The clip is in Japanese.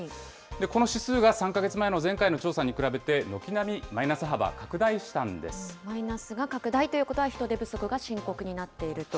この指数が３か月前の前回の調査に比べて軒並みマイナス幅、拡大マイナスが拡大ということは、人手不足が深刻になっていると。